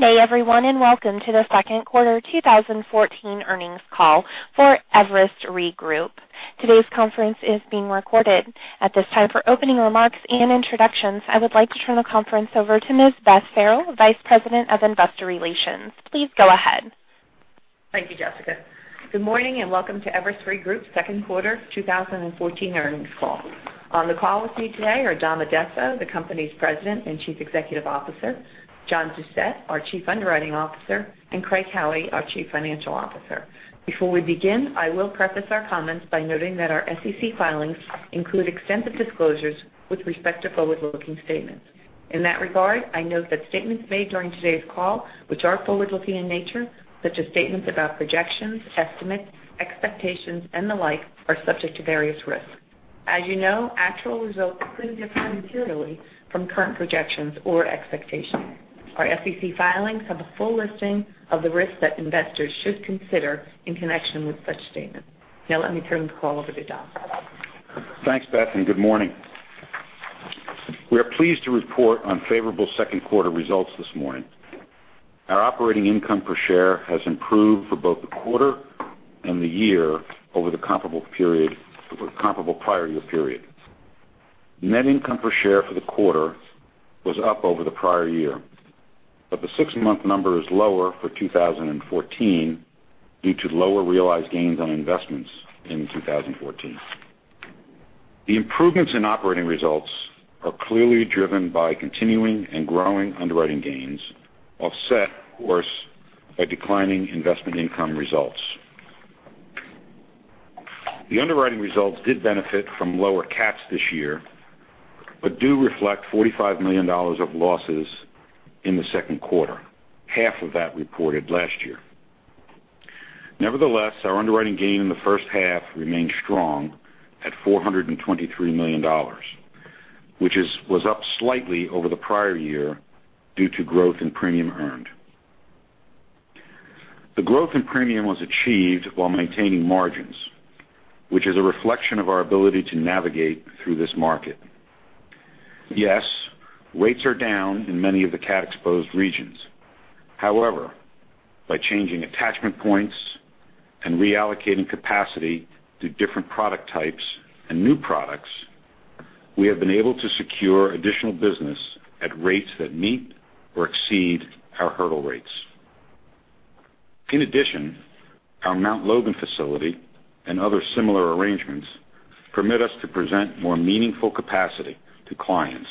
Good day everyone, welcome to the second quarter 2014 earnings call for Everest Re Group. Today's conference is being recorded. At this time, for opening remarks and introductions, I would like to turn the conference over to Ms. Beth Farrell, Vice President of Investor Relations. Please go ahead. Thank you, Jessica. Good morning, welcome to Everest Re Group's second quarter 2014 earnings call. On the call with me today are Dominic Addesso, the company's President and Chief Executive Officer, John Doucette, our Chief Underwriting Officer, and Craig Howie, our Chief Financial Officer. Before we begin, I will preface our comments by noting that our SEC filings include extensive disclosures with respect to forward-looking statements. In that regard, I note that statements made during today's call, which are forward-looking in nature, such as statements about projections, estimates, expectations, and the like, are subject to various risks. As you know, actual results could differ materially from current projections or expectations. Our SEC filings have a full listing of the risks that investors should consider in connection with such statements. Let me turn the call over to Dom. Thanks, Beth, good morning. We are pleased to report on favorable second quarter results this morning. Our operating income per share has improved for both the quarter and the year over the comparable prior year period. Net income per share for the quarter was up over the prior year, but the 6-month number is lower for 2014 due to lower realized gains on investments in 2014. The improvements in operating results are clearly driven by continuing and growing underwriting gains, offset, of course, by declining investment income results. The underwriting results did benefit from lower cats this year, but do reflect $45 million of losses in the second quarter, half of that reported last year. Nevertheless, our underwriting gain in the first half remained strong at $423 million, which was up slightly over the prior year due to growth in premium earned. The growth in premium was achieved while maintaining margins, which is a reflection of our ability to navigate through this market. Yes, rates are down in many of the cat-exposed regions. However, by changing attachment points and reallocating capacity to different product types and new products, we have been able to secure additional business at rates that meet or exceed our hurdle rates. In addition, our Mt. Logan facility and other similar arrangements permit us to present more meaningful capacity to clients,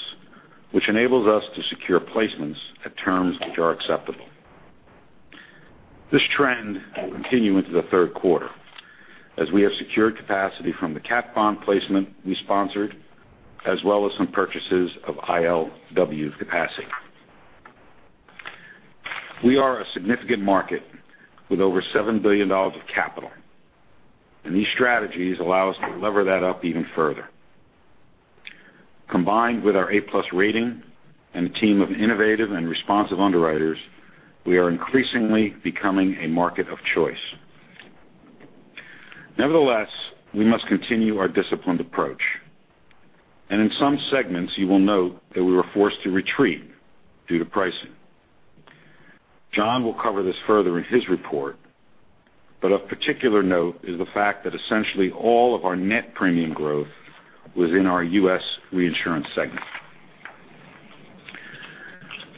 which enables us to secure placements at terms which are acceptable. This trend will continue into the third quarter as we have secured capacity from the cat bond placement we sponsored, as well as some purchases of ILW capacity. We are a significant market with over $7 billion of capital, these strategies allow us to lever that up even further. Combined with our A+ rating and a team of innovative and responsive underwriters, we are increasingly becoming a market of choice. Nevertheless, we must continue our disciplined approach, and in some segments you will note that we were forced to retreat due to pricing. John will cover this further in his report, but of particular note is the fact that essentially all of our net premium growth was in our U.S. reinsurance segment.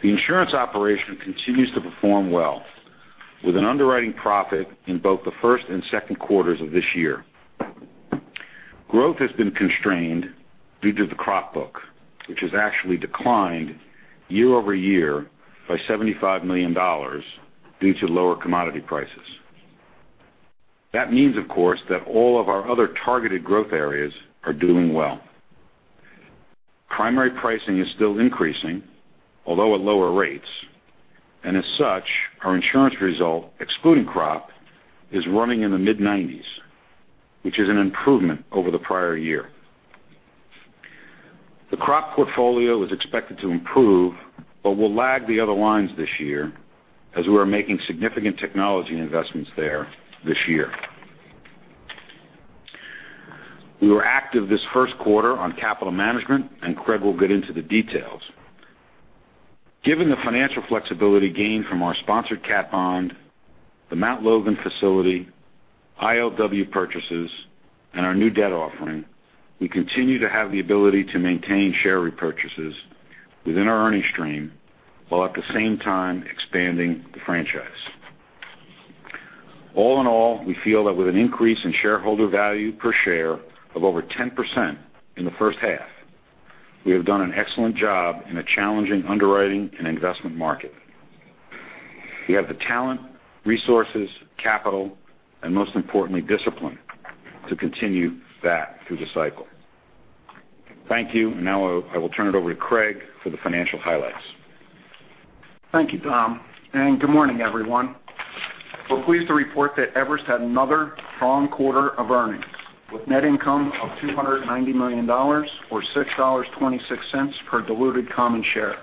The insurance operation continues to perform well with an underwriting profit in both the first and second quarters of this year. Growth has been constrained due to the crop book, which has actually declined year-over-year by $75 million due to lower commodity prices. That means, of course, that all of our other targeted growth areas are doing well. Primary pricing is still increasing, although at lower rates. As such, our insurance result, excluding crop, is running in the mid-90s, which is an improvement over the prior year. The crop portfolio is expected to improve but will lag the other lines this year as we are making significant technology investments there this year. We were active this first quarter on capital management. Craig will get into the details. Given the financial flexibility gained from our sponsored cat bond, the Mt. Logan facility, ILW purchases, and our new debt offering, we continue to have the ability to maintain share repurchases within our earnings stream, while at the same time expanding the franchise. All in all, we feel that with an increase in shareholder value per share of over 10% in the first half, we have done an excellent job in a challenging underwriting and investment market. We have the talent, resources, capital, and most importantly, discipline to continue that through the cycle. Thank you. Now, I will turn it over to Craig for the financial highlights. Thank you, Dom. Good morning, everyone. We're pleased to report that Everest had another strong quarter of earnings, with net income of $290 million or $6.26 per diluted common share.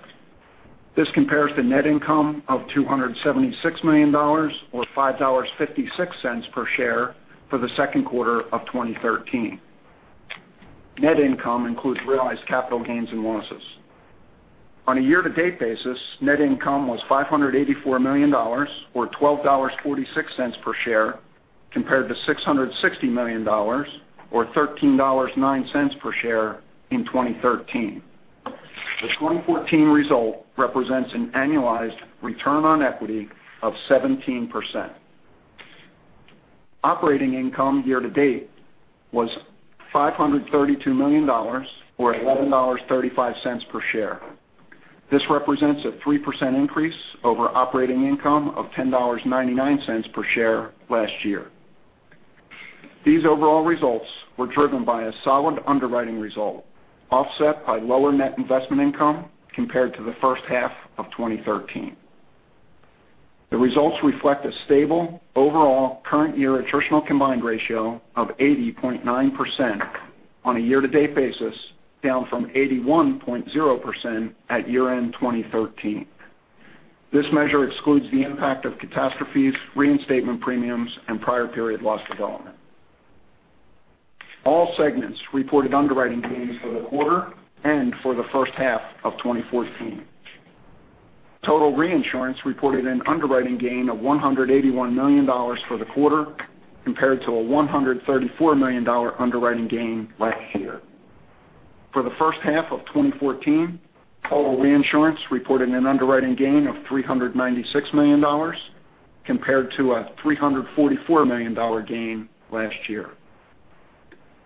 This compares to net income of $276 million or $5.56 per share for the second quarter of 2013. Net income includes realized capital gains and losses. On a year-to-date basis, net income was $584 million, or $12.46 per share, compared to $660 million, or $13.09 per share, in 2013. The 2014 result represents an annualized return on equity of 17%. Operating income year-to-date was $532 million, or $11.35 per share. This represents a 3% increase over operating income of $10.99 per share last year. The results reflect a stable overall current year attritional combined ratio of 80.9% on a year-to-date basis, down from 81.0% at year-end 2013. This measure excludes the impact of catastrophes, reinstatement premiums, and prior period loss development. All segments reported underwriting gains for the quarter and for the first half of 2014. Total reinsurance reported an underwriting gain of $181 million for the quarter, compared to a $134 million underwriting gain last year. For the first half of 2014, total reinsurance reported an underwriting gain of $396 million, compared to a $344 million gain last year.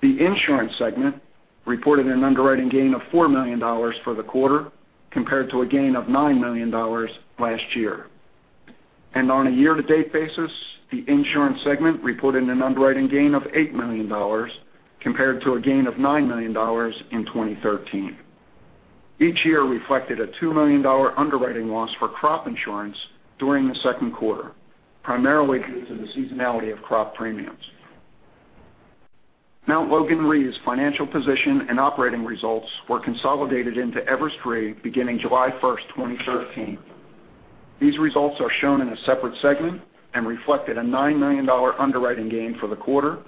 The insurance segment reported an underwriting gain of $4 million for the quarter, compared to a gain of $9 million last year. On a year-to-date basis, the insurance segment reported an underwriting gain of $8 million, compared to a gain of $9 million in 2013. Each year reflected a $2 million underwriting loss for crop insurance during the second quarter, primarily due to the seasonality of crop premiums. Mt. Logan Re's financial position and operating results were consolidated into Everest Re beginning July 1st, 2013. These results are shown in a separate segment and reflected a $9 million underwriting gain for the quarter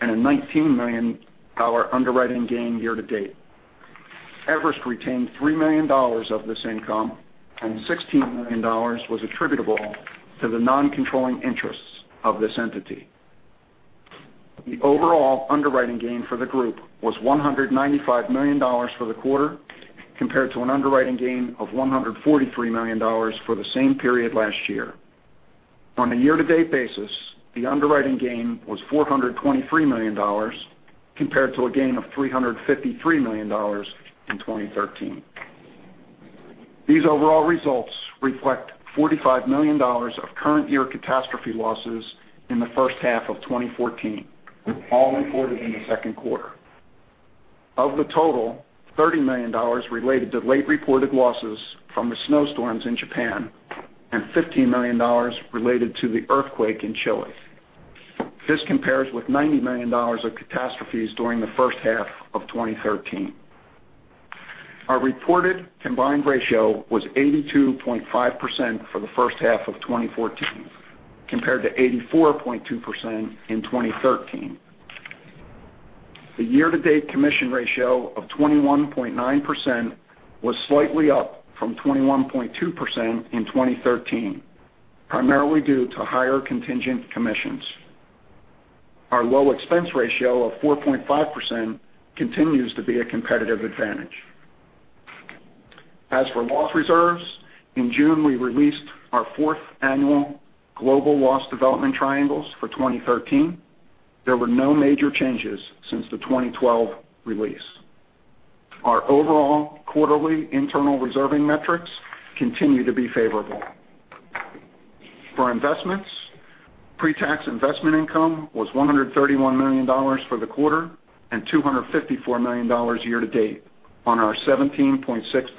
and a $19 million underwriting gain year-to-date. Everest retained $3 million of this income, and $16 million was attributable to the non-controlling interests of this entity. The overall underwriting gain for the group was $195 million for the quarter, compared to an underwriting gain of $143 million for the same period last year. On a year-to-date basis, the underwriting gain was $423 million, compared to a gain of $353 million in 2013. These overall results reflect $45 million of current year catastrophe losses in the first half of 2014, all reported in the second quarter. Of the total, $30 million related to late reported losses from the snowstorms in Japan and $15 million related to the earthquake in Chile. This compares with $90 million of catastrophes during the first half of 2013. Our reported combined ratio was 82.5% for the first half of 2014, compared to 84.2% in 2013. The year-to-date commission ratio of 21.9% was slightly up from 21.2% in 2013, primarily due to higher contingent commissions. Our low expense ratio of 4.5% continues to be a competitive advantage. As for loss reserves, in June, we released our fourth annual global loss development triangles for 2013. There were no major changes since the 2012 release. Our overall quarterly internal reserving metrics continue to be favorable. For investments, pre-tax investment income was $131 million for the quarter and $254 million year-to-date on our $17.6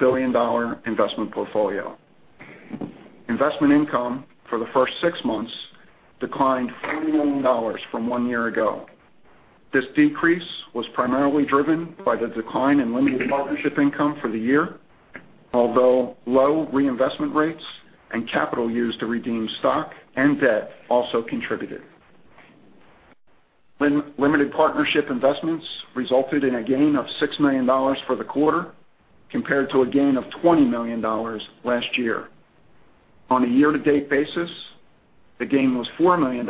billion investment portfolio. Investment income for the first six months declined $4 million from one year ago. This decrease was primarily driven by the decline in limited partnership income for the year, although low reinvestment rates and capital used to redeem stock and debt also contributed. Limited partnership investments resulted in a gain of $6 million for the quarter, compared to a gain of $20 million last year. On a year-to-date basis, the gain was $4 million,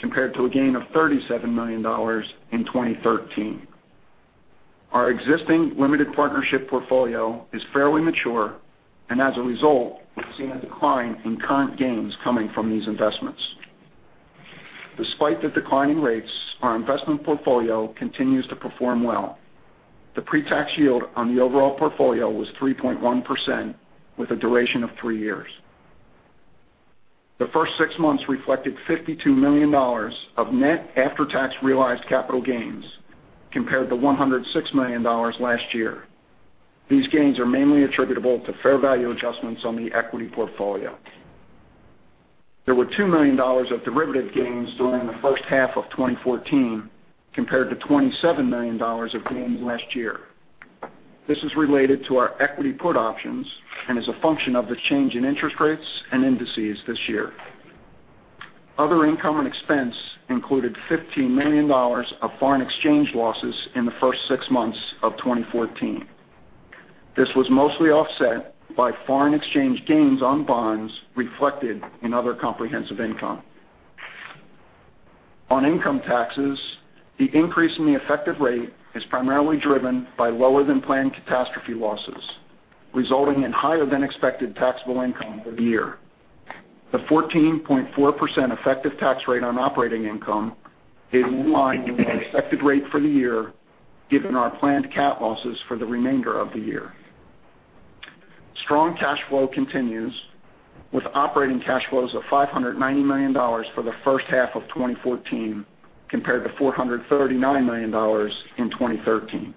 compared to a gain of $37 million in 2013. Our existing limited partnership portfolio is fairly mature, and as a result, we've seen a decline in current gains coming from these investments. Despite the declining rates, our investment portfolio continues to perform well. The pre-tax yield on the overall portfolio was 3.1% with a duration of three years. The first six months reflected $52 million of net after-tax realized capital gains, compared to $106 million last year. These gains are mainly attributable to fair value adjustments on the equity portfolio. There were $2 million of derivative gains during the first half of 2014, compared to $27 million of gains last year. This is related to our equity put options and is a function of the change in interest rates and indices this year. Other income and expense included $15 million of foreign exchange losses in the first six months of 2014. This was mostly offset by foreign exchange gains on bonds reflected in other comprehensive income. On income taxes, the increase in the effective rate is primarily driven by lower than planned catastrophe losses, resulting in higher than expected taxable income for the year. The 14.4% effective tax rate on operating income is in line with our expected rate for the year, given our planned cat losses for the remainder of the year. Strong cash flow continues, with operating cash flows of $590 million for the first half of 2014, compared to $439 million in 2013.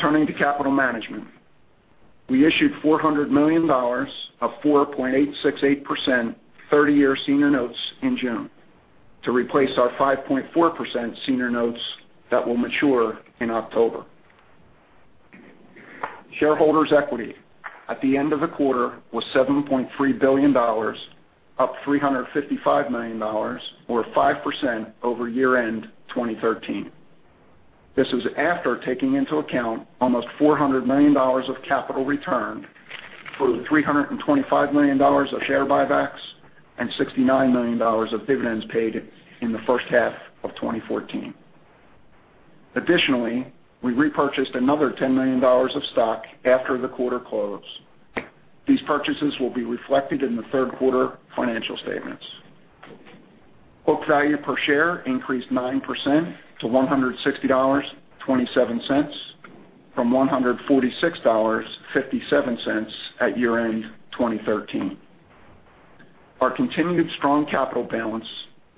Turning to capital management. We issued $400 million of 4.868% 30-year senior notes in June to replace our 5.4% senior notes that will mature in October. Shareholders' equity at the end of the quarter was $7.3 billion, up $355 million, or 5% over year-end 2013. This is after taking into account almost $400 million of capital returned for $325 million of share buybacks and $69 million of dividends paid in the first half of 2014. Additionally, we repurchased another $10 million of stock after the quarter close. These purchases will be reflected in the third quarter financial statements. Book value per share increased 9% to $160.27 from $146.57 at year-end 2013. Our continued strong capital balance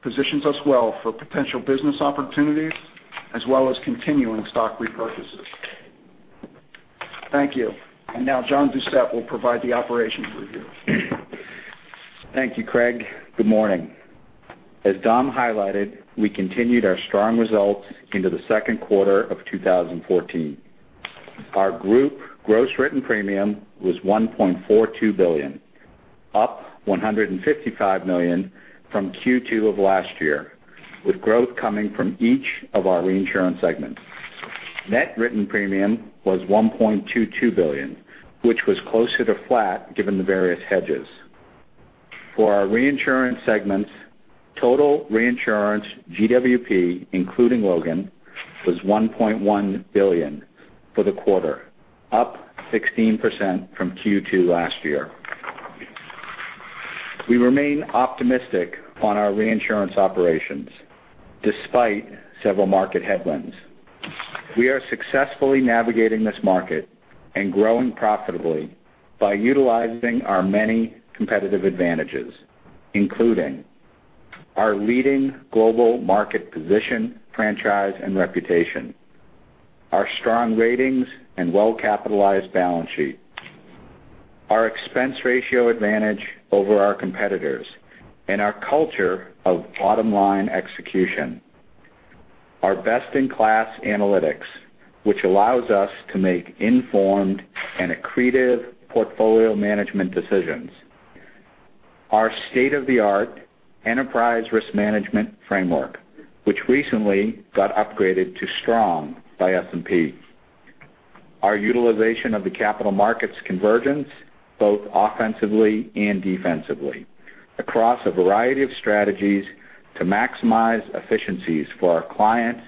positions us well for potential business opportunities, as well as continuing stock repurchases. Thank you. John Doucette will provide the operations review. Thank you, Craig. Good morning. As Dom highlighted, we continued our strong results into the second quarter of 2014. Our group gross written premium was $1.42 billion, up $155 million from Q2 of last year, with growth coming from each of our reinsurance segments. Net written premium was $1.22 billion, which was closer to flat given the various hedges. For our reinsurance segments, total reinsurance GWP, including Logan, was $1.1 billion for the quarter, up 16% from Q2 last year. We remain optimistic on our reinsurance operations despite several market headwinds. We are successfully navigating this market and growing profitably by utilizing our many competitive advantages, including our leading global market position, franchise, and reputation, our strong ratings and well-capitalized balance sheet, our expense ratio advantage over our competitors, and our culture of bottom-line execution. Our best-in-class analytics, which allows us to make informed and accretive portfolio management decisions. Our state-of-the-art enterprise risk management framework, which recently got upgraded to strong by S&P. Our utilization of the capital markets convergence, both offensively and defensively, across a variety of strategies to maximize efficiencies for our clients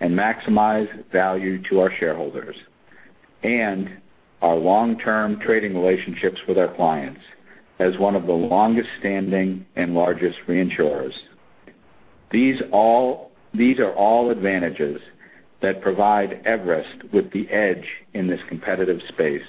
and maximize value to our shareholders. Our long-term trading relationships with our clients as one of the longest standing and largest reinsurers. These are all advantages that provide Everest with the edge in this competitive space.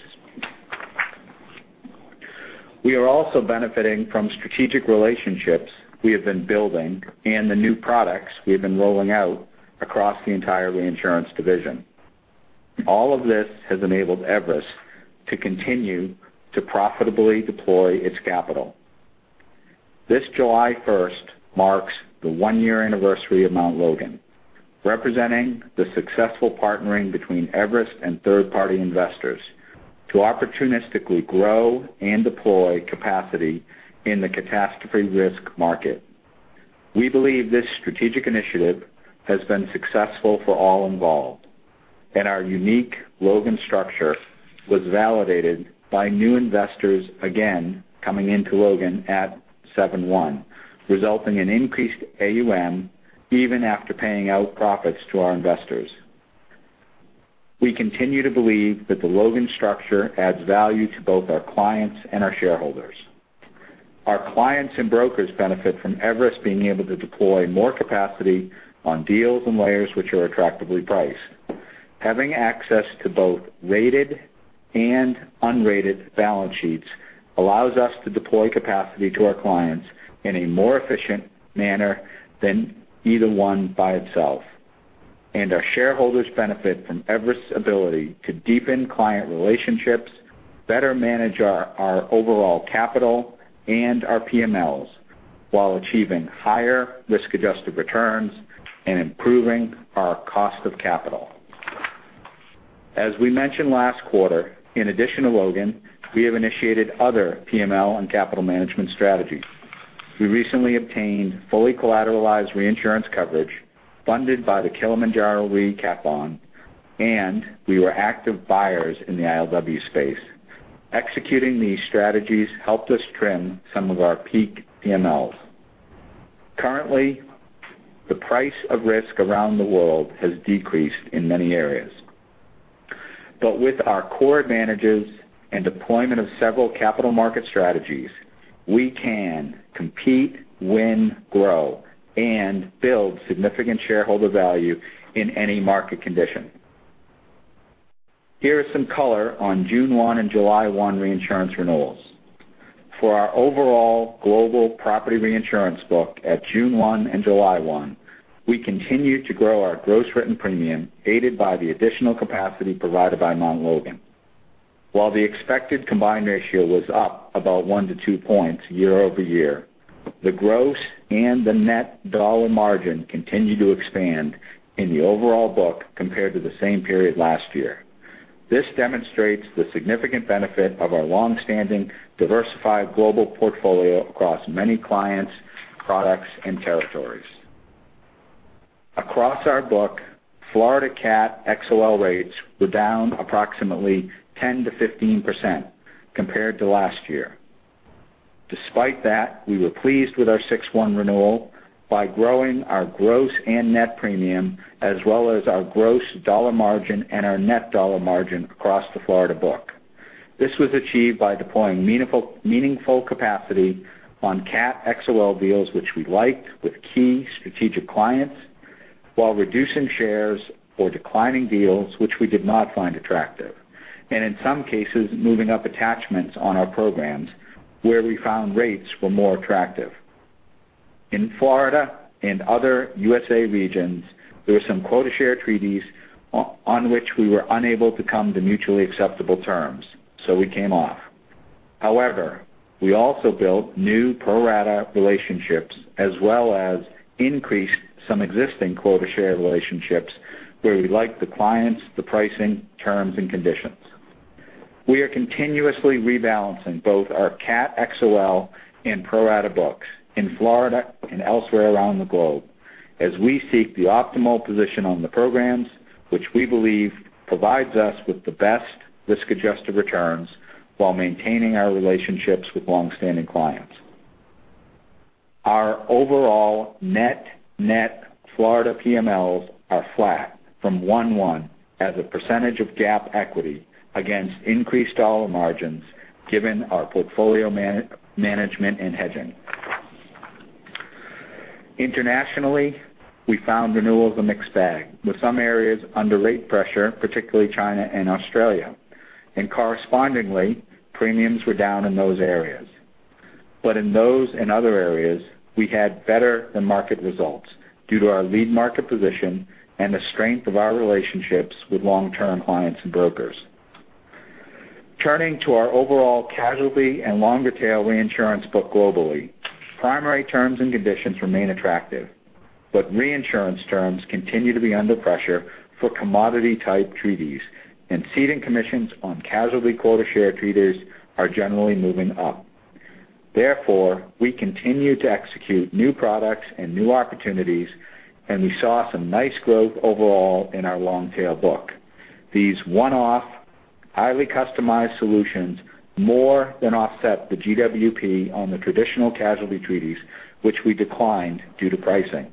We are also benefiting from strategic relationships we have been building and the new products we've been rolling out across the entire reinsurance division. All of this has enabled Everest to continue to profitably deploy its capital. This July 1st marks the one-year anniversary of Mt. Logan Re, representing the successful partnering between Everest and third-party investors to opportunistically grow and deploy capacity in the catastrophe risk market. We believe this strategic initiative has been successful for all involved. Our unique Logan structure was validated by new investors again coming into Logan at 7/1, resulting in increased AUM even after paying out profits to our investors. We continue to believe that the Logan structure adds value to both our clients and our shareholders. Our clients and brokers benefit from Everest being able to deploy more capacity on deals and layers which are attractively priced. Having access to both rated and unrated balance sheets allows us to deploy capacity to our clients in a more efficient manner than either one by itself. Our shareholders benefit from Everest's ability to deepen client relationships, better manage our overall capital and our PMLs, while achieving higher risk-adjusted returns and improving our cost of capital. As we mentioned last quarter, in addition to Logan, we have initiated other PML and capital management strategies. We recently obtained fully collateralized reinsurance coverage funded by the Kilimanjaro Re cat bond. We were active buyers in the ILW space. Executing these strategies helped us trim some of our peak PMLs. Currently, the price of risk around the world has decreased in many areas. With our core advantages and deployment of several capital market strategies, we can compete, win, grow, and build significant shareholder value in any market condition. Here is some color on June 1 and July 1 reinsurance renewals. For our overall global property reinsurance book at June 1 and July 1, we continued to grow our gross written premium, aided by the additional capacity provided by Mt. Logan Re. While the expected combined ratio was up about one to two points year-over-year, the gross and the net dollar margin continued to expand in the overall book compared to the same period last year. This demonstrates the significant benefit of our longstanding, diversified global portfolio across many clients, products, and territories. Across our book, Florida cat XOL rates were down approximately 10%-15% compared to last year. Despite that, we were pleased with our 6/1 renewal by growing our gross and net premium, as well as our gross dollar margin and our net dollar margin across the Florida book. This was achieved by deploying meaningful capacity on cat XOL deals which we liked with key strategic clients, while reducing shares or declining deals which we did not find attractive, in some cases, moving up attachments on our programs where we found rates were more attractive. In Florida and other U.S.A. regions, there were some quota share treaties on which we were unable to come to mutually acceptable terms, so we came off. We also built new pro-rata relationships, as well as increased some existing quota share relationships where we like the clients, the pricing, terms, and conditions. We are continuously rebalancing both our Cat XOL and pro-rata books in Florida and elsewhere around the globe as we seek the optimal position on the programs, which we believe provides us with the best risk-adjusted returns while maintaining our relationships with longstanding clients. Our overall net Florida PMLs are flat from 1/1 as a percentage of GAAP equity against increased dollar margins, given our portfolio management and hedging. Internationally, we found renewals a mixed bag, with some areas under rate pressure, particularly China and Australia. Correspondingly, premiums were down in those areas. In those and other areas, we had better than market results due to our lead market position and the strength of our relationships with long-term clients and brokers. Turning to our overall casualty and longer tail reinsurance book globally, primary terms and conditions remain attractive, but reinsurance terms continue to be under pressure for commodity type treaties, and ceding commissions on casualty quota share treaties are generally moving up. Therefore, we continue to execute new products and new opportunities, and we saw some nice growth overall in our long tail book. These one-off, highly customized solutions more than offset the GWP on the traditional casualty treaties, which we declined due to pricing.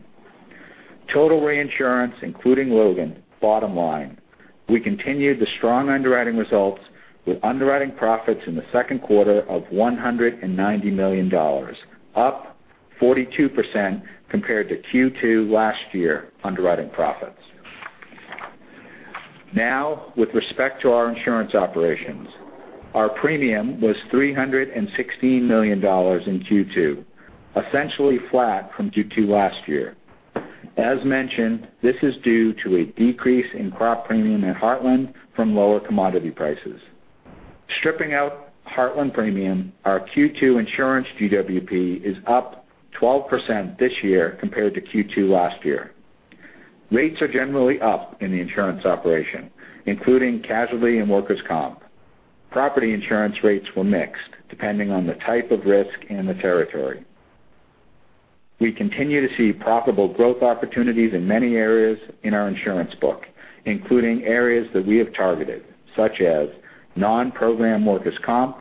Total reinsurance, including Logan, bottom line, we continued the strong underwriting results with underwriting profits in the second quarter of $190 million, up 42% compared to Q2 last year underwriting profits. With respect to our insurance operations, our premium was $316 million in Q2, essentially flat from Q2 last year. As mentioned, this is due to a decrease in crop premium at Heartland from lower commodity prices. Stripping out Heartland premium, our Q2 insurance GWP is up 12% this year compared to Q2 last year. Rates are generally up in the insurance operation, including casualty and workers' comp. Property insurance rates were mixed, depending on the type of risk and the territory. We continue to see profitable growth opportunities in many areas in our insurance book, including areas that we have targeted, such as non-program workers' comp,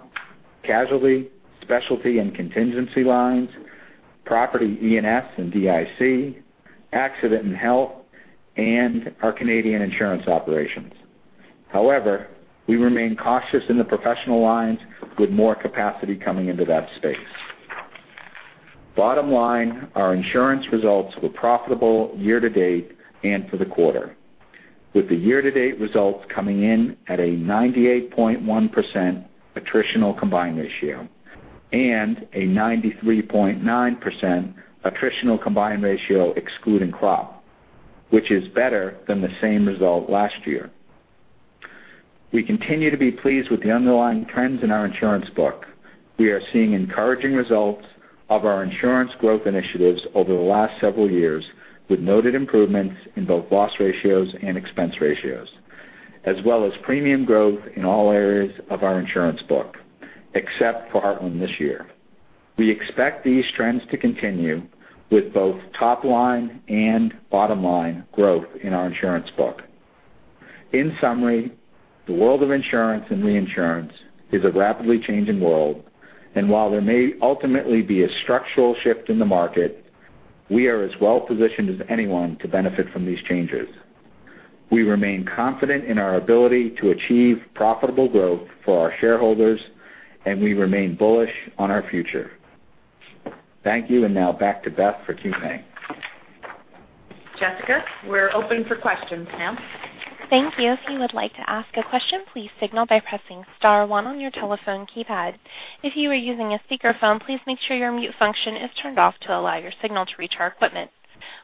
casualty, specialty and contingency lines, property E&S and DIC, accident and health, and our Canadian insurance operations. We remain cautious in the professional lines with more capacity coming into that space. Bottom line, our insurance results were profitable year-to-date and for the quarter, with the year-to-date results coming in at a 98.1% attritional combined ratio and a 93.9% attritional combined ratio excluding crop, which is better than the same result last year. We continue to be pleased with the underlying trends in our insurance book. We are seeing encouraging results of our insurance growth initiatives over the last several years, with noted improvements in both loss ratios and expense ratios, as well as premium growth in all areas of our insurance book, except for Heartland this year. We expect these trends to continue with both top-line and bottom-line growth in our insurance book. In summary, the world of insurance and reinsurance is a rapidly changing world, and while there may ultimately be a structural shift in the market, we are as well-positioned as anyone to benefit from these changes. We remain confident in our ability to achieve profitable growth for our shareholders, and we remain bullish on our future. Thank you. Now back to Beth for Q&A. Jessica, we're open for questions now. Thank you. If you would like to ask a question, please signal by pressing star one on your telephone keypad. If you are using a speakerphone, please make sure your mute function is turned off to allow your signal to reach our equipment.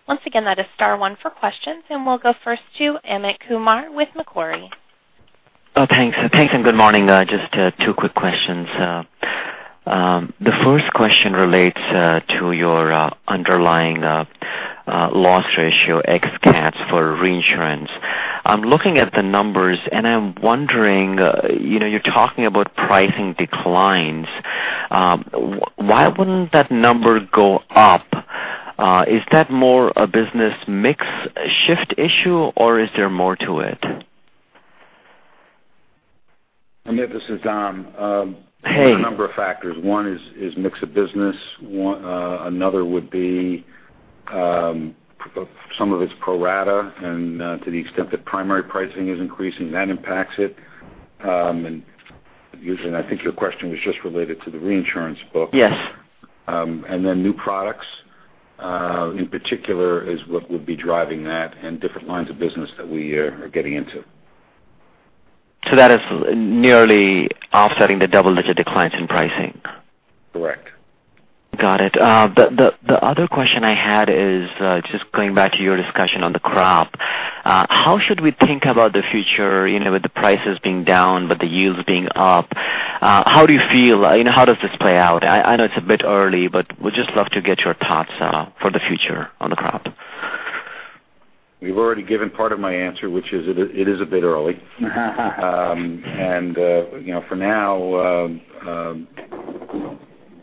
Once again, that is star one for questions, and we'll go first to Amit Kumar with Macquarie. Thanks. Thanks, and good morning. Just two quick questions. The first question relates to your underlying loss ratio ex cats for reinsurance. I'm looking at the numbers, and I'm wondering, you're talking about pricing declines. Why wouldn't that number go up? Is that more a business mix shift issue, or is there more to it? Amit, this is Dom. Hey. There's a number of factors. One is mix of business. Another would be some of it's pro rata, to the extent that primary pricing is increasing, that impacts it. I think your question was just related to the reinsurance book. Yes. Then new products, in particular, is what would be driving that in different lines of business that we are getting into. That is nearly offsetting the double-digit declines in pricing? Correct. Got it. The other question I had is just going back to your discussion on the crop. How should we think about the future with the prices being down, with the yields being up? How do you feel? How does this play out? I know it's a bit early. Would just love to get your thoughts for the future on the crop. We've already given part of my answer, which is, it is a bit early. For now,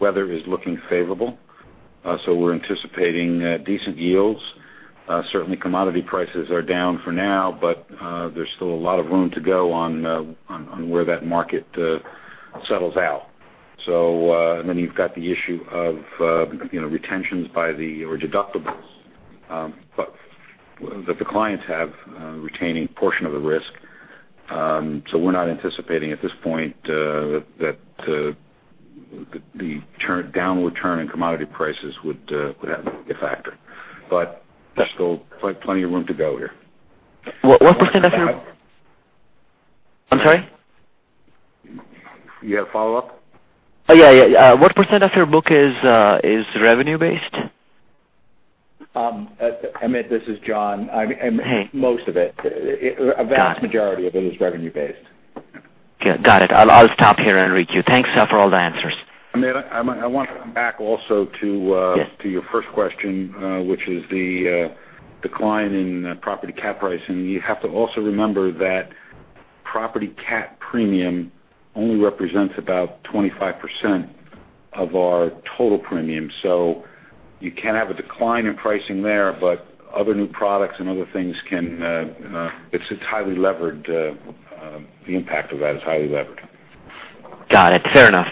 weather is looking favorable. We're anticipating decent yields. Certainly, commodity prices are down for now. There's still a lot of room to go on where that market settles out. You've got the issue of retentions or deductibles that the clients have retaining a portion of the risk. We're not anticipating at this point that the downward turn in commodity prices would be a factor. There's still plenty of room to go here. What percent of your I'm sorry? You have a follow-up? Yeah. What % of your book is revenue-based? Amit, this is John. Hey. Most of it. Got it. A vast majority of it is revenue-based. Got it. I'll stop here and let you continue. Thanks for all the answers. Amit, I want to come back also to. Yes your first question, which is the decline in property cat pricing. You have to also remember that property cat premium only represents about 25% of our total premium. You can have a decline in pricing there, but other new products and other things, it's highly levered. The impact of that is highly levered. Got it. Fair enough.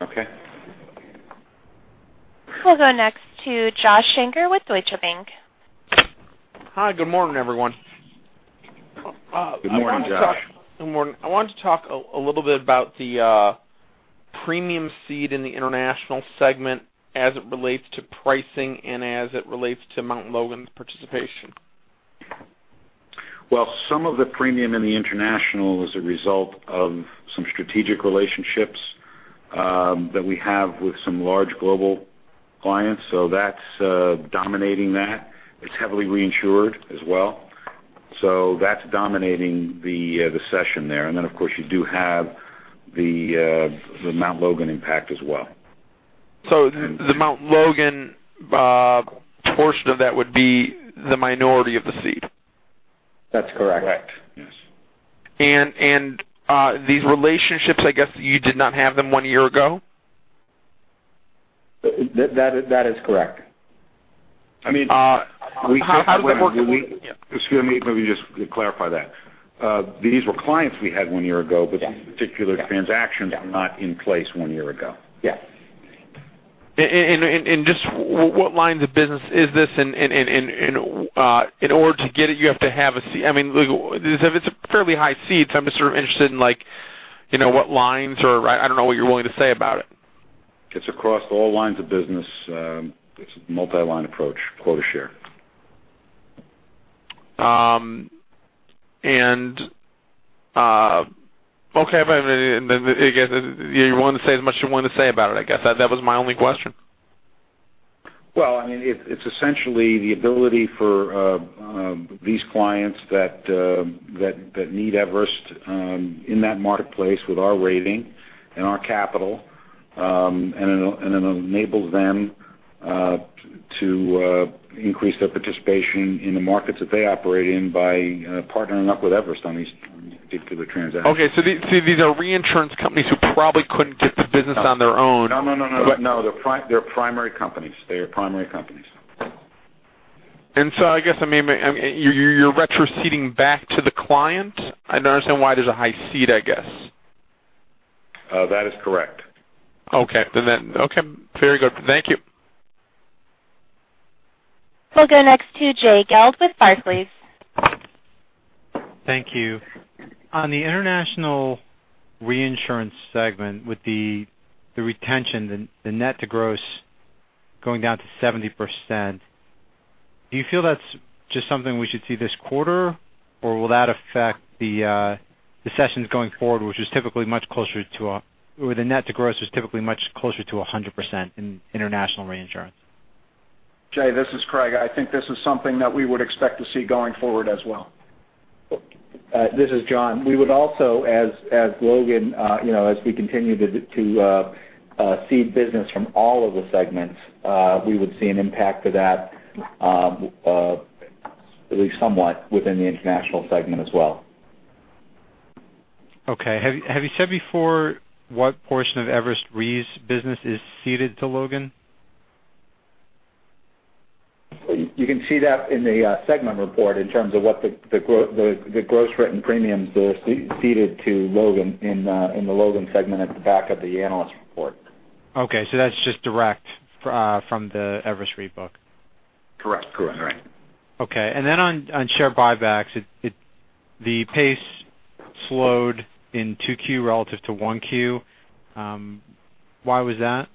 Okay. We'll go next to Joshua Shanker with Deutsche Bank. Hi. Good morning, everyone. Good morning, Josh. Good morning. I wanted to talk a little bit about the premium cede in the international segment as it relates to pricing and as it relates to Mount Logan's participation. Well, some of the premium in the international is a result of some strategic relationships that we have with some large global clients. That's dominating that. It's heavily reinsured as well. That's dominating the session there. Of course, you do have the Mount Logan impact as well. The Mount Logan portion of that would be the minority of the cede? That's correct. Correct. Yes. These relationships, I guess you did not have them one year ago? That is correct. How does that work? Excuse me. Let me just clarify that. These were clients we had one year ago, these particular transactions were not in place one year ago. Yes. Just what lines of business is this? In order to get it, you have to have a cede. I mean, if it's a fairly high cede, I'm just sort of interested in what lines or I don't know what you're willing to say about it. It's across all lines of business. It's a multi-line approach, quota share. Okay. You're willing to say as much as you're willing to say about it, I guess. That was my only question. Well, it's essentially the ability for these clients that need Everest in that marketplace with our rating and our capital, and it enables them to increase their participation in the markets that they operate in by partnering up with Everest on these particular transactions. Okay. These are reinsurance companies who probably couldn't get the business on their own. No. They're primary companies. I guess you're retroceding back to the client. I don't understand why there's a high cede, I guess. That is correct. Okay. Very good. Thank you. We'll go next to Jay Gelb with Barclays. Thank you. On the international reinsurance segment, with the retention, the net to gross going down to 70%, do you feel that's just something we should see this quarter, or will that affect the cessions going forward, where the net to gross is typically much closer to 100% in international reinsurance? Jay, this is Craig. I think this is something that we would expect to see going forward as well. This is John. We would also, as Logan, we continue to cede business from all of the segments, we would see an impact to that at least somewhat within the international segment as well. Okay. Have you said before what portion of Everest Re's business is ceded to Logan? You can see that in the segment report in terms of what the gross written premiums that are ceded to Logan in the Logan segment at the back of the analyst report. Okay. That's just direct from the Everest Re book. Correct. Correct. Okay. Then on share buybacks, the pace slowed in Q2 relative to Q1. Why was that?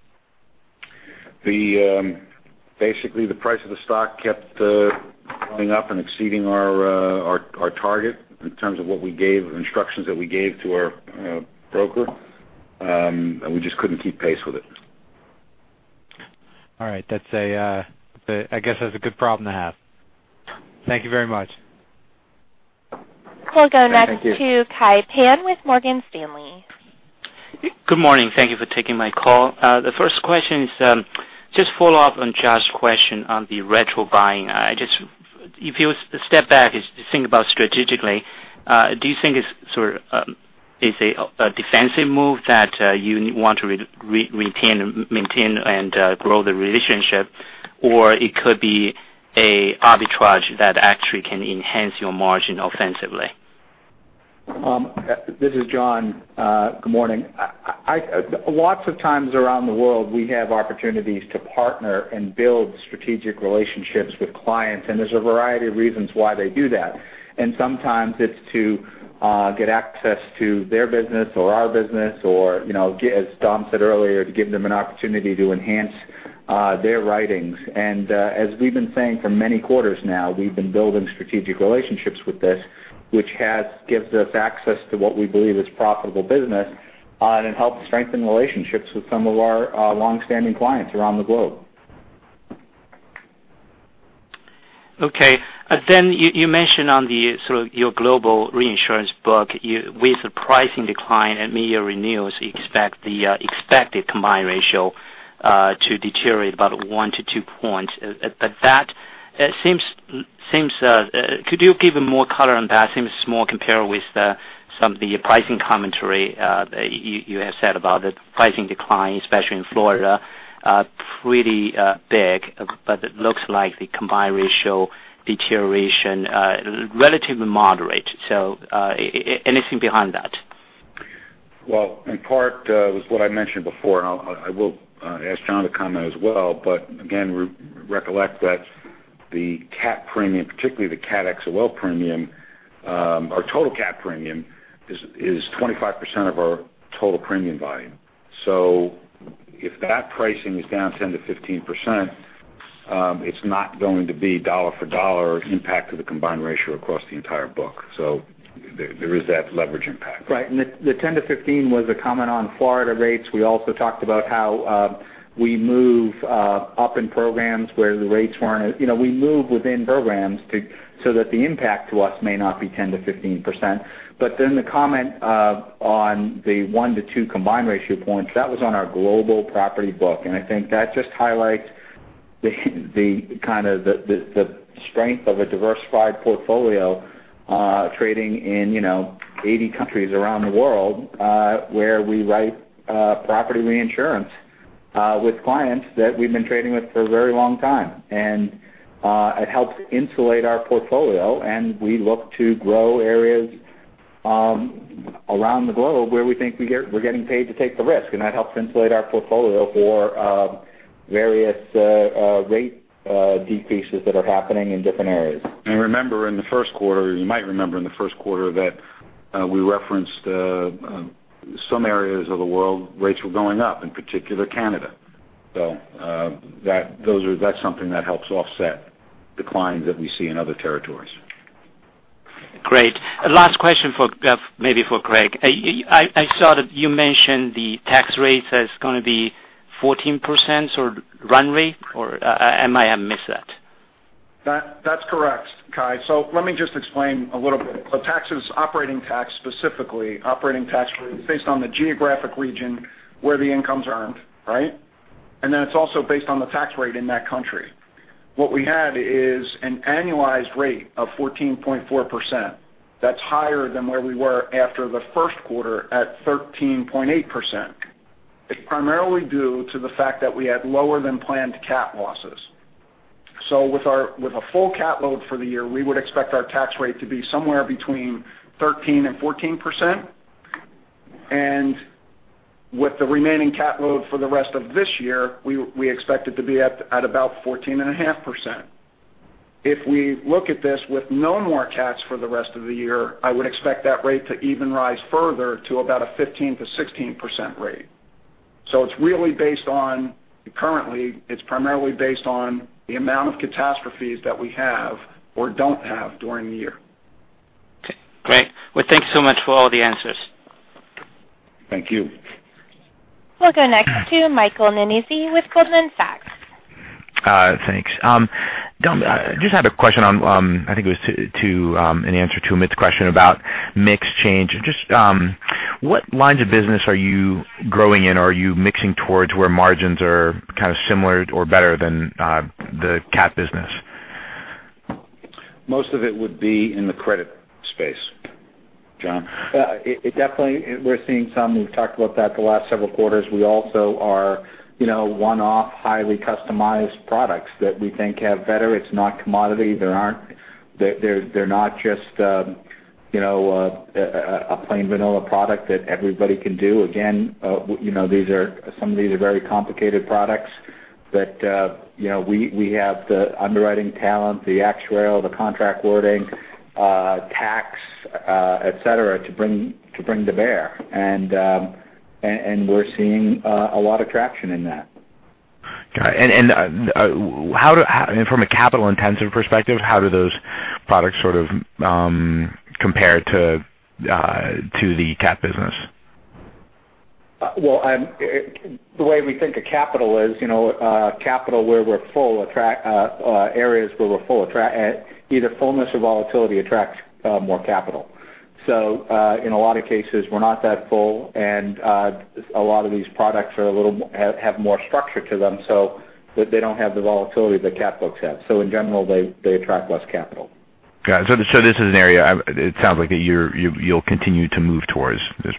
Basically, the price of the stock kept going up and exceeding our target in terms of what we gave, instructions that we gave to our broker. We just couldn't keep pace with it. All right. I guess that's a good problem to have. Thank you very much. We'll go next to Kai Pan with Morgan Stanley. Good morning. Thank you for taking my call. The first question is just follow up on Josh's question on the retro buying. If you step back and think about strategically, do you think it's a defensive move that you want to retain, maintain, and grow the relationship, or it could be an arbitrage that actually can enhance your margin offensively? This is John. Good morning. Lots of times around the world, we have opportunities to partner and build strategic relationships with clients, there's a variety of reasons why they do that. Sometimes it's to get access to their business or our business or as Don said earlier, to give them an opportunity to enhance their writings. As we've been saying for many quarters now, we've been building strategic relationships with this, which gives us access to what we believe is profitable business and helps strengthen relationships with some of our longstanding clients around the globe. Okay. You mentioned on your global reinsurance book, with the pricing decline at media renewals, you expect the expected combined ratio to deteriorate about one to two points. Could you give more color on that? It seems small compared with some of the pricing commentary you have said about the pricing decline, especially in Florida, pretty big, but it looks like the combined ratio deterioration relatively moderate. Anything behind that? Well, in part, it was what I mentioned before, and I will ask John to comment as well, but again, recollect that the cat premium, particularly the Cat XOL premium, our total cat premium is 25% of our total premium volume. If that pricing is down 10%-15%, it's not going to be dollar for dollar impact to the combined ratio across the entire book. There is that leverage impact. Right. The 10-15% was a comment on Florida rates. We also talked about how we move up in programs where the rates weren't, we move within programs so that the impact to us may not be 10%-15%, but then the comment on the 1-2 combined ratio points, that was on our global property book. I think that just highlights the strength of a diversified portfolio trading in 80 countries around the world, where we write property reinsurance with clients that we've been trading with for a very long time. It helps insulate our portfolio, and we look to grow areas around the globe where we think we're getting paid to take the risk. That helps insulate our portfolio for various rate decreases that are happening in different areas. Remember in the first quarter, you might remember in the first quarter that we referenced some areas of the world rates were going up, in particular Canada. That's something that helps offset declines that we see in other territories. Great. Last question maybe for Craig. I saw that you mentioned the tax rate is going to be 14% run rate, or am I missed that? That's correct, Kai. Let me just explain a little bit. The tax is operating tax, specifically. Operating tax rate is based on the geographic region where the income's earned, right? Then it's also based on the tax rate in that country. What we had is an annualized rate of 14.4%. That's higher than where we were after the first quarter at 13.8%. It's primarily due to the fact that we had lower than planned cat losses. With a full cat load for the year, we would expect our tax rate to be somewhere between 13% and 14%. With the remaining cat load for the rest of this year, we expect it to be at about 14.5%. If we look at this with no more cats for the rest of the year, I would expect that rate to even rise further to about a 15%-16% rate. Currently, it's primarily based on the amount of catastrophes that we have or don't have during the year. Okay, great. Well, thanks so much for all the answers. Thank you. We'll go next to Michael Nannizzi with Goldman Sachs. Thanks. Dom, just had a question on, I think it was an answer to Amit's question about mix change. Just what lines of business are you growing in? Are you mixing towards where margins are kind of similar to or better than the cat business? Most of it would be in the credit space, John. We're seeing some, we've talked about that the last several quarters. We also are one-off highly customized products that we think have better. It's not commodity. They're not just a plain vanilla product that everybody can do. Again, some of these are very complicated products. We have the underwriting talent, the actuarial, the contract wording, tax, et cetera, to bring to bear. We're seeing a lot of traction in that. Got it. From a capital intensive perspective, how do those products sort of compare to the cat business? The way we think of capital is, areas where we're full attract, either fullness or volatility attracts more capital. In a lot of cases, we're not that full and a lot of these products have more structure to them so that they don't have the volatility that cat books have. In general, they attract less capital. Got it. This is an area it sounds like that you'll continue to move towards. There's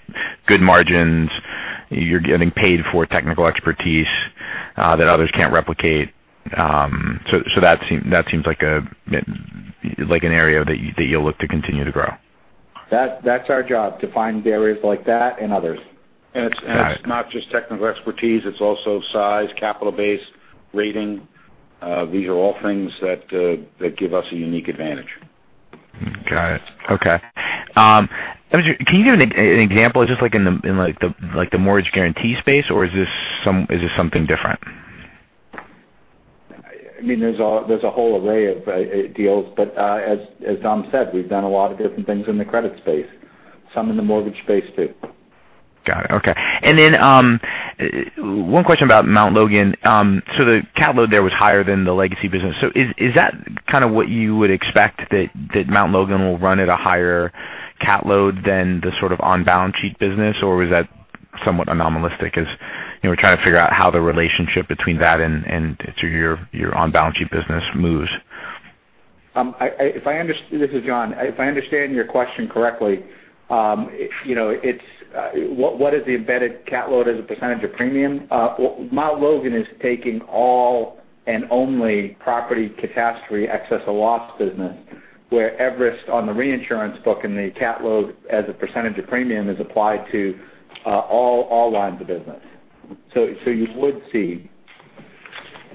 good margins. You're getting paid for technical expertise that others can't replicate. That seems like an area that you'll look to continue to grow. That's our job, to find the areas like that and others. It's not just technical expertise, it's also size, capital base, rating. These are all things that give us a unique advantage. Got it. Okay. Can you give an example, just like in the mortgage guarantee space, or is this something different? I mean, there's a whole array of deals, as Dom said, we've done a lot of different things in the credit space, some in the mortgage space, too. Got it. Okay. One question about Mt. Logan Re. The Cat load there was higher than the legacy business. Is that kind of what you would expect, that Mt. Logan Re will run at a higher Cat load than the sort of on-balance sheet business? Was that somewhat anomalistic as we're trying to figure out how the relationship between that and your on-balance sheet business moves? This is John. If I understand your question correctly, what is the embedded Cat load as a percentage of premium? Mt. Logan Re is taking all and only property catastrophe XOL business, where Everest on the reinsurance book and the Cat load as a percentage of premium is applied to all lines of business. You would see.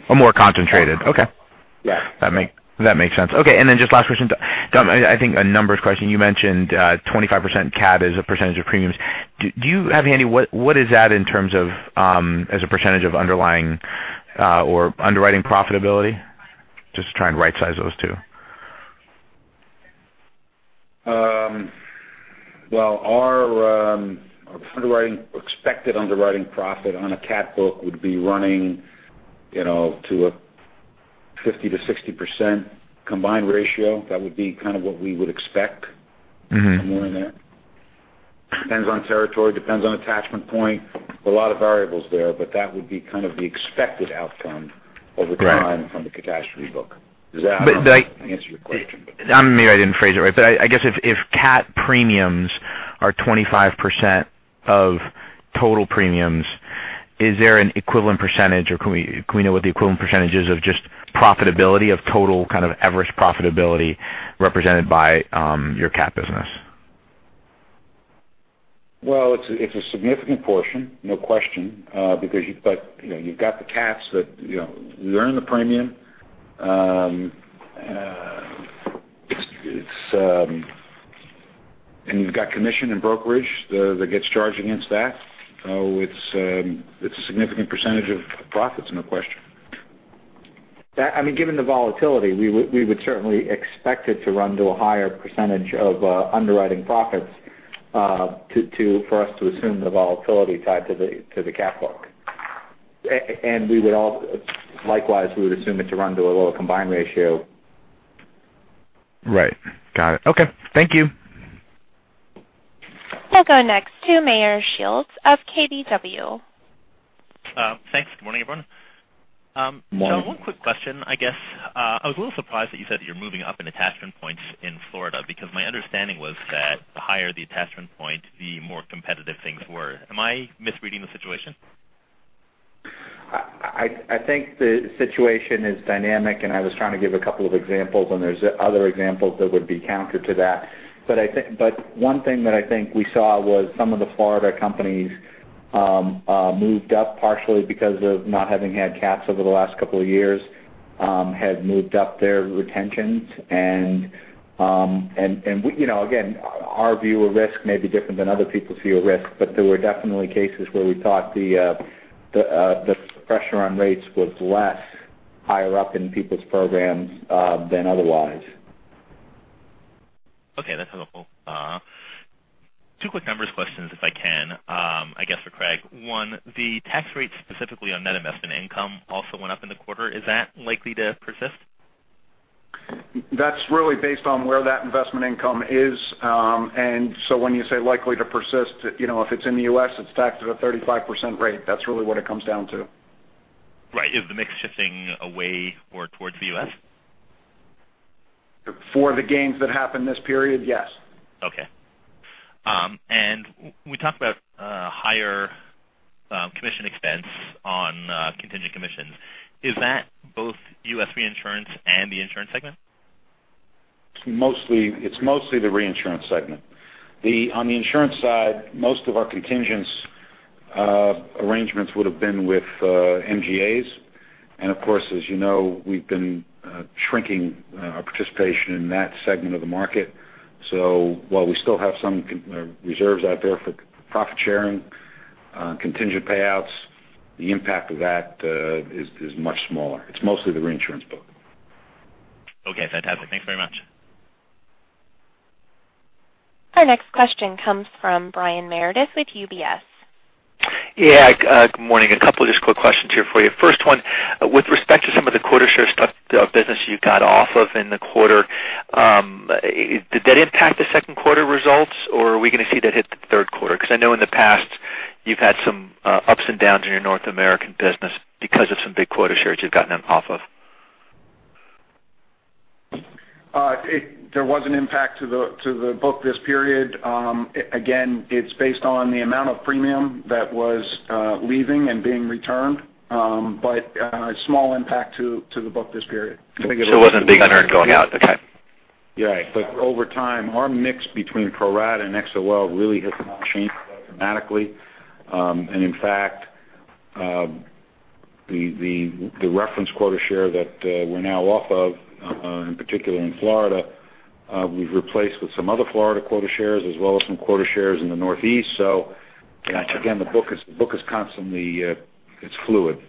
A more concentrated. Okay. Yes. That makes sense. Okay. Then just last question, Dom, I think a numbers question. You mentioned 25% cat as a percentage of premiums. Do you have any, what is that in terms of as a percentage of underlying or underwriting profitability? Just trying to right size those two. Well, our underwriting, expected underwriting profit on a cat book would be running to a 50%-60% combined ratio. That would be kind of what we would expect. Somewhere in there. Depends on territory, depends on attachment point. There are a lot of variables there, that would be kind of the expected outcome over time. Right from the catastrophe book. Does that answer your question? Maybe I didn't phrase it right, but I guess if cat premiums are 25% of total premiums, is there an equivalent percentage or can we know what the equivalent percentage is of just profitability of total kind of Everest profitability represented by your cat business? Well, it's a significant portion, no question, because you've got the cats that you earn the premium, and you've got commission and brokerage that gets charged against that. It's a significant percentage of profits, no question. Given the volatility, we would certainly expect it to run to a higher percentage of underwriting profits for us to assume the volatility tied to the cat book. Likewise, we would assume it to run to a lower combined ratio. Right. Got it. Okay. Thank you. We'll go next to Meyer Shields of KBW. Thanks. Good morning, everyone. Morning. One quick question. I was a little surprised that you said that you're moving up in attachment points in Florida because my understanding was that the higher the attachment point, the more competitive things were. Am I misreading the situation? I think the situation is dynamic, I was trying to give a couple of examples, and there's other examples that would be counter to that. One thing that I think we saw was some of the Florida companies moved up partially because of not having had cats over the last couple of years, had moved up their retentions. Again, our view of risk may be different than other people's view of risk, but there were definitely cases where we thought the pressure on rates was less higher up in people's programs than otherwise. Okay, that's helpful. Two quick numbers questions, if I can, I guess for Craig. One, the tax rate specifically on net investment income also went up in the quarter. Is that likely to persist? That's really based on where that investment income is. So when you say likely to persist, if it's in the U.S., it's taxed at a 35% rate. That's really what it comes down to. Right. Is the mix shifting away or towards the U.S.? For the gains that happened this period, yes. Okay. We talked about higher commission expense on contingent commissions. Is that both U.S. reinsurance and the insurance segment? It's mostly the reinsurance segment. On the insurance side, most of our contingents arrangements would have been with MGAs. Of course, as you know, we've been shrinking our participation in that segment of the market. While we still have some reserves out there for profit sharing, contingent payouts, the impact of that is much smaller. It's mostly the reinsurance book. Okay, fantastic. Thanks very much. Our next question comes from Brian Meredith with UBS. Good morning. A couple of just quick questions here for you. First one, with respect to some of the quota share stuff business you got off of in the quarter, did that impact the second quarter results, or are we going to see that hit the third quarter? Because I know in the past you've had some ups and downs in your North American business because of some big quota shares you've gotten off of. There was an impact to the book this period. It's based on the amount of premium that was leaving and being returned, a small impact to the book this period. It wasn't big unearned going out. Okay. Over time, our mix between pro-rata and XOL really has not changed dramatically. In fact, the reference quota share that we're now off of, in particular in Florida, we've replaced with some other Florida quota shares as well as some quota shares in the Northeast. Again, the book is constantly fluid.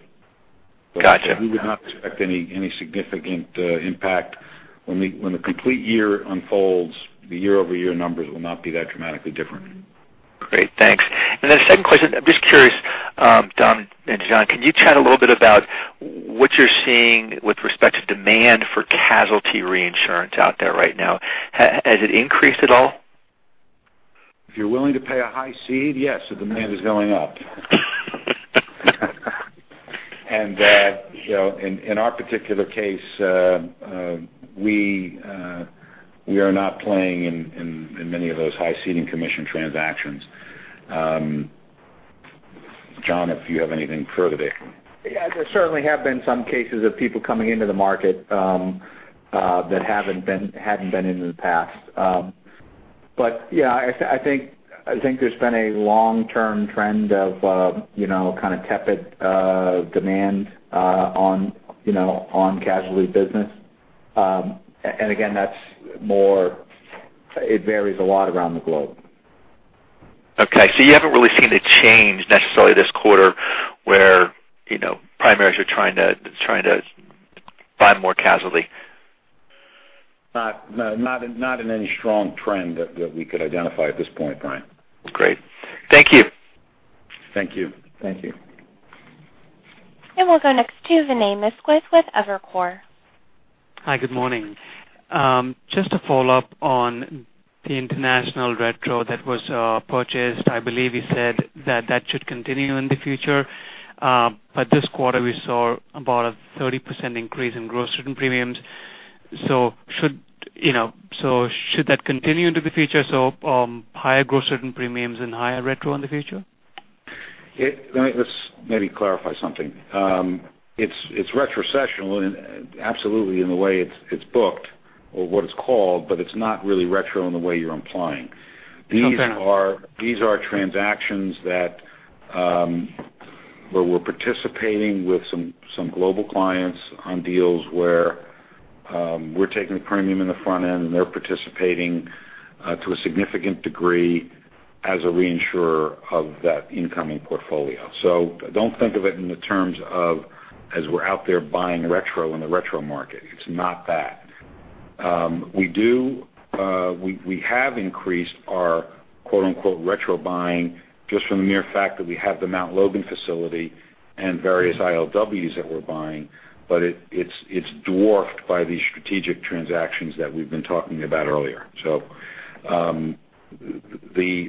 Got you. We would not expect any significant impact. When the complete year unfolds, the year-over-year numbers will not be that dramatically different. Great. Thanks. Then the second question, I'm just curious, Don and John, can you chat a little bit about what you're seeing with respect to demand for casualty reinsurance out there right now? Has it increased at all? If you're willing to pay a high cede, yes, the demand is going up. In our particular case, we are not playing in many of those high ceding commission transactions. John, if you have anything further there. Yeah. There certainly have been some cases of people coming into the market that hadn't been in in the past. Yeah, I think there's been a long-term trend of kind of tepid demand on casualty business. Again, it varies a lot around the globe. Okay. You haven't really seen a change necessarily this quarter where primaries are trying to buy more casualty? Not in any strong trend that we could identify at this point, Brian. Great. Thank you. Thank you. Thank you. We'll go next to Vinay Misquith with Evercore. Hi, good morning. Just a follow-up on the international retro that was purchased. I believe you said that that should continue in the future. This quarter, we saw about a 30% increase in gross written premiums. Should that continue into the future? Higher gross written premiums and higher retro in the future? Let's maybe clarify something. It's retrocessional absolutely in the way it's booked or what it's called, but it's not really retro in the way you're implying. Okay. These are transactions where we're participating with some global clients on deals where we're taking the premium in the front end, and they're participating to a significant degree as a reinsurer of that incoming portfolio. Don't think of it in the terms of as we're out there buying retro in the retro market. It's not that. We have increased our "retro buying" just from the mere fact that we have the Mt. Logan facility and various ILWs that we're buying, but it's dwarfed by the strategic transactions that we've been talking about earlier.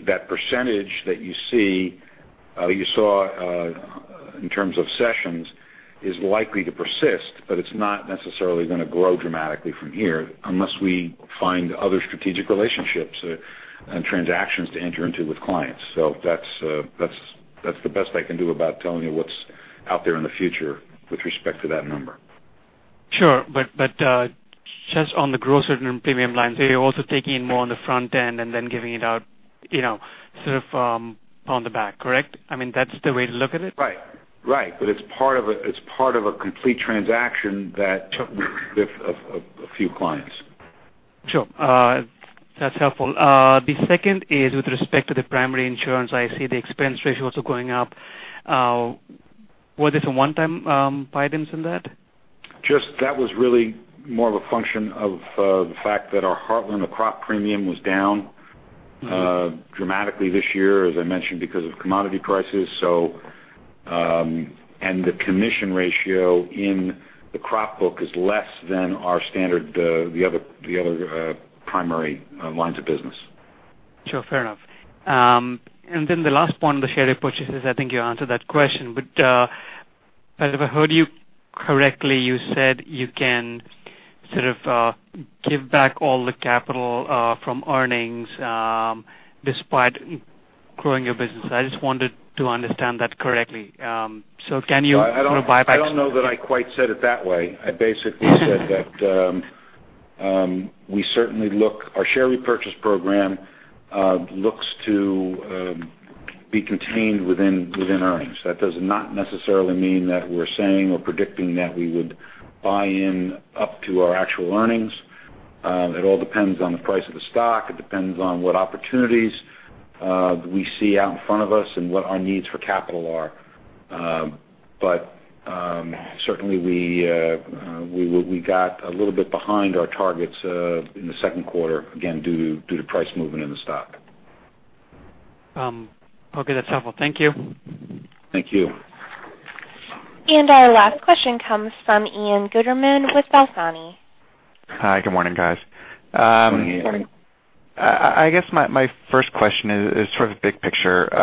That percentage that you saw in terms of sessions is likely to persist, but it's not necessarily going to grow dramatically from here unless we find other strategic relationships and transactions to enter into with clients. That's the best I can do about telling you what's out there in the future with respect to that number. Sure. Just on the gross and premium lines, they are also taking in more on the front end and then giving it out sort of on the back, correct? I mean, that's the way to look at it? Right. It's part of a complete transaction that took with a few clients. Sure. That's helpful. The second is with respect to the primary insurance. I see the expense ratio also going up. Was it a one-time item in that? That was really more of a function of the fact that our Heartland crop premium was down dramatically this year, as I mentioned, because of commodity prices. The commission ratio in the crop book is less than our standard, the other primary lines of business. Sure, fair enough. The last one, the share purchases, I think you answered that question. If I heard you correctly, you said you can sort of give back all the capital from earnings despite growing your business. I just wanted to understand that correctly. Can you sort of buy back? I don't know that I quite said it that way. I basically said that our share repurchase program looks to be contained within earnings. That does not necessarily mean that we're saying or predicting that we would buy in up to our actual earnings. It all depends on the price of the stock. It depends on what opportunities we see out in front of us and what our needs for capital are. Certainly we got a little bit behind our targets in the second quarter, again, due to price movement in the stock. Okay. That's helpful. Thank you. Thank you. Our last question comes from Ian Gutterman with BofA. Hi, good morning, guys. Good morning. I guess my first question is sort of big picture.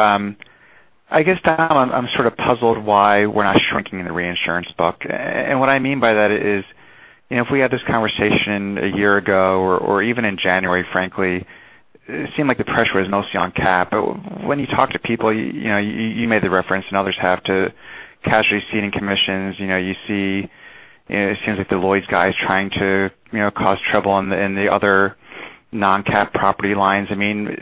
I guess, Don, I'm sort of puzzled why we're not shrinking in the reinsurance book. What I mean by that is, if we had this conversation a year ago, or even in January, frankly, it seemed like the pressure was mostly on cap. When you talk to people, you made the reference and others have too, casualty ceding commissions, it seems like the Lloyd's guy is trying to cause trouble in the other non-cap property lines. I mean,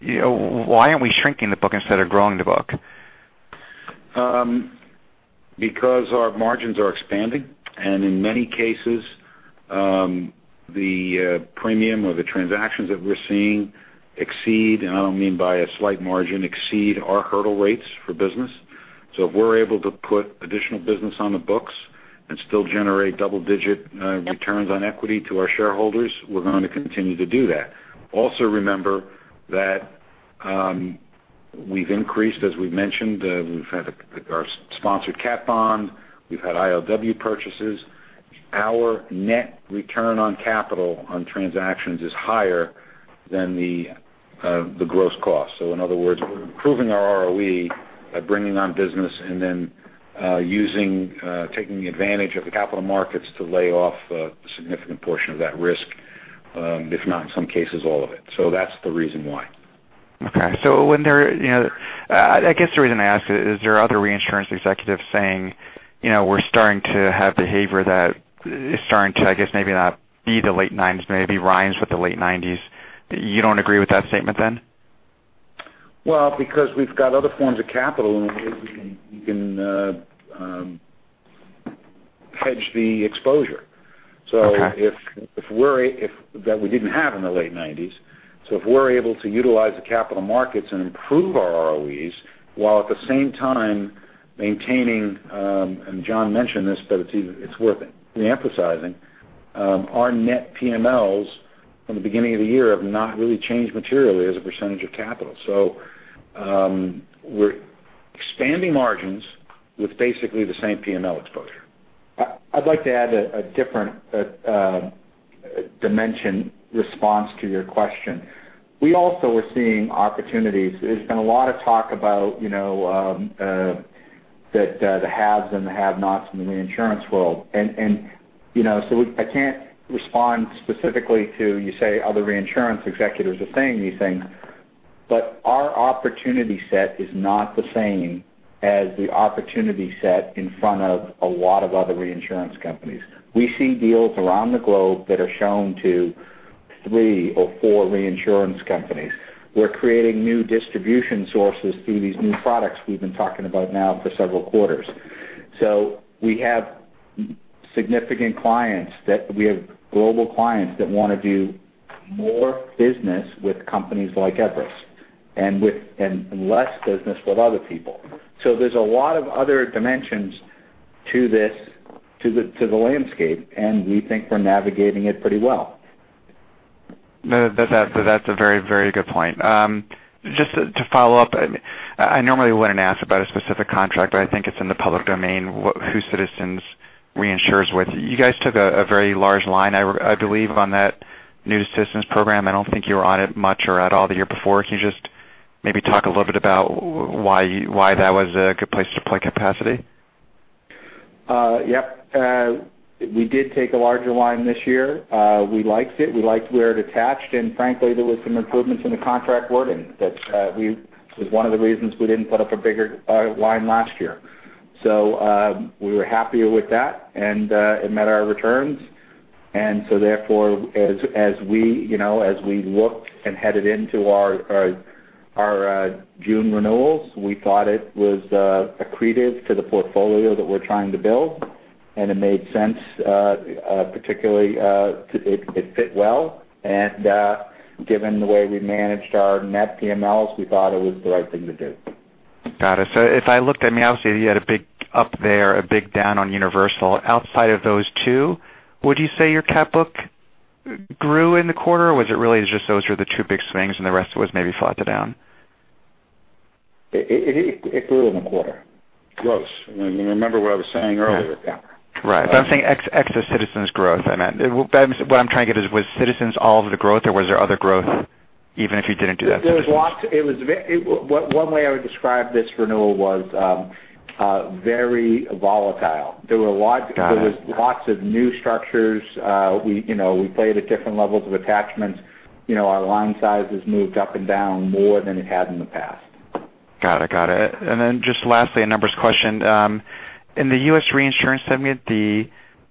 why aren't we shrinking the book instead of growing the book? Our margins are expanding, and in many cases, the premium or the transactions that we're seeing exceed, and I don't mean by a slight margin, exceed our hurdle rates for business. If we're able to put additional business on the books and still generate double-digit returns on equity to our shareholders, we're going to continue to do that. Also remember that we've increased, as we've mentioned, we've had our sponsored cat bond, we've had ILW purchases. Our net return on capital on transactions is higher than the gross cost. In other words, we're improving our ROE by bringing on business and then taking advantage of the capital markets to lay off a significant portion of that risk, if not in some cases, all of it. That's the reason why. Okay. I guess the reason I ask is, are other reinsurance executives saying we're starting to have behavior that is starting to, I guess, maybe not be the late '90s, maybe rhymes with the late '90s. You don't agree with that statement then? We've got other forms of capital and we can hedge the exposure that we didn't have in the late '90s. If we're able to utilize the capital markets and improve our ROEs while at the same time maintaining, and John mentioned this, but it's worth re-emphasizing, our net PMLs from the beginning of the year have not really changed materially as a percentage of capital. We're expanding margins with basically the same PML exposure. I'd like to add a different dimension response to your question. We also are seeing opportunities. There's been a lot of talk about the haves and the have-nots in the reinsurance world. I can't respond specifically to, you say other reinsurance executives are saying these things, but our opportunity set is not the same as the opportunity set in front of a lot of other reinsurance companies. We see deals around the globe that are shown to Three or four reinsurance companies. We're creating new distribution sources through these new products we've been talking about now for several quarters. We have significant clients, we have global clients that want to do more business with companies like Everest and less business with other people. There's a lot of other dimensions to the landscape, and we think we're navigating it pretty well. That's a very good point. Just to follow up, I normally wouldn't ask about a specific contract, but I think it's in the public domain whose Citizens reinsures with. You guys took a very large line, I believe, on that new Citizens program. I don't think you were on it much or at all the year before. Can you just maybe talk a little bit about why that was a good place to deploy capacity? Yep. We did take a larger line this year. We liked it. We liked where it attached, and frankly, there was some improvements in the contract wording. That was one of the reasons we didn't put up a bigger line last year. We were happier with that, and it met our returns. Therefore, as we looked and headed into our June renewals, we thought it was accretive to the portfolio that we're trying to build, and it made sense, particularly it fit well, and given the way we managed our net PMLs, we thought it was the right thing to do. Got it. If I looked, obviously you had a big up there, a big down on Universal. Outside of those two, would you say your cat book grew in the quarter, or was it really just those were the two big swings and the rest was maybe flat to down? It grew in the quarter. Gross. You remember what I was saying earlier. Yeah. Right. I'm saying ex the Citizens growth, I meant. What I'm trying to get is, was Citizens all of the growth, or was there other growth even if you didn't do that to Citizens? One way I would describe this renewal was very volatile. Got it. There was lots of new structures. We played at different levels of attachments. Our line sizes moved up and down more than it had in the past. Got it. Then just lastly, a numbers question. In the U.S. reinsurance segment, the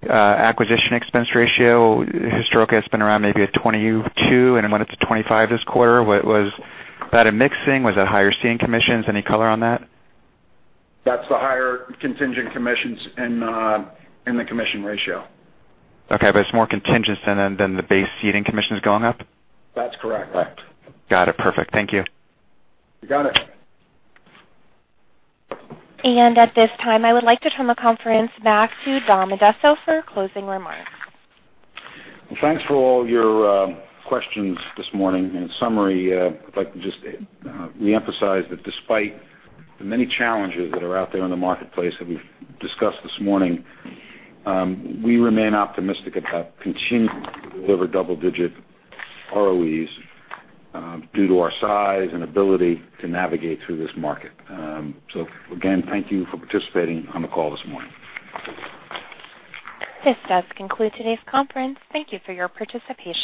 acquisition expense ratio historically has been around maybe a 22, and it went up to 25 this quarter. Was that a mixing? Was that higher ceding commissions? Any color on that? That's the higher contingent commissions in the commission ratio. Okay, it's more contingent than the base ceding commissions going up? That's correct. Got it. Perfect. Thank you. You got it. At this time, I would like to turn the conference back to Dominic Addesso for closing remarks. Well, thanks for all your questions this morning. In summary, I'd like to just reemphasize that despite the many challenges that are out there in the marketplace that we've discussed this morning, we remain optimistic about continuing to deliver double-digit ROEs due to our size and ability to navigate through this market. Again, thank you for participating on the call this morning. This does conclude today's conference. Thank you for your participation.